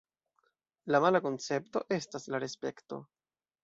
La mala koncepto estas la respekto.